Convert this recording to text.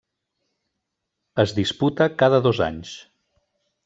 Es disputa cada dos anys.